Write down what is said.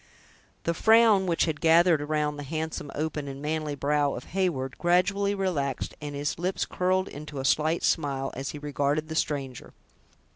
The frown which had gathered around the handsome, open, and manly brow of Heyward, gradually relaxed, and his lips curled into a slight smile, as he regarded the stranger.